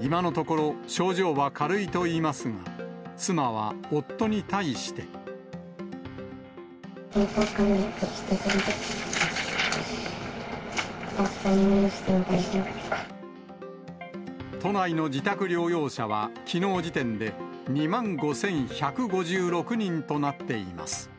今のところ、症状は軽いといいますが、妻は夫に対して。健康管理してくれるって、都内の自宅療養者は、きのう時点で２万５１５６人となっています。